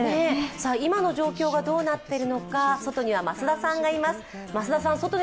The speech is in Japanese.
今の状況がどうなっているのか外には増田さんがいます。